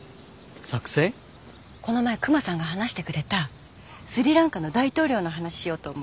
この前クマさんが話してくれたスリランカの大統領の話しようと思う。